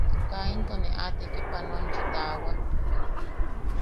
Kaa into ne a tekipanoamchi taawak.